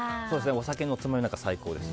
お酒のつまみに最高です。